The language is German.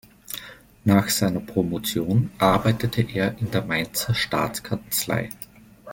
Nach seiner Promotion arbeitete er in der Mainzer Staatskanzlei.